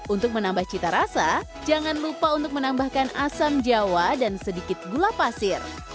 untuk menambah cita rasa jangan lupa untuk menambahkan asam jawa dan sedikit gula pasir